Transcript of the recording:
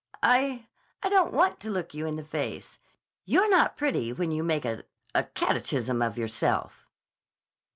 "I—I don't want to look you in the face. You're not pretty when you make a—a catechism of yourself."